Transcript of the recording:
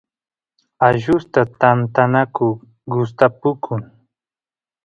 allusta tantanaku gustapukun